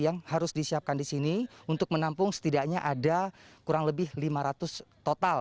yang harus disiapkan di sini untuk menampung setidaknya ada kurang lebih lima ratus total